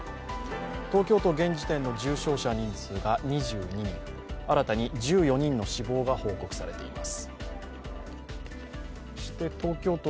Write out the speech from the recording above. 東京都、現時点の重症者の人数が２２人、新たに１４人の死亡が報告されています。